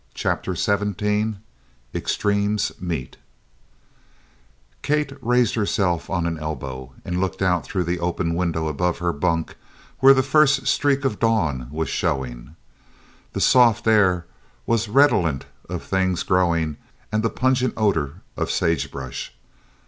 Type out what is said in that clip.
CHAPTER XVII EXTREMES MEET Kate raised herself on an elbow and looked out through the open window above her bunk where the first streak of dawn was showing. The soft air was redolent of things growing and the pungent odor of sagebrush.